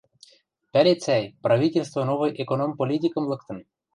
Пӓлет, сӓй, правительство новый экономполитикым лыктын.